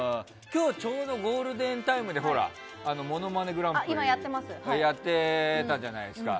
今日、ちょうどゴールデンタイムでほら、「ものまねグランプリ」をやっていたじゃないですか。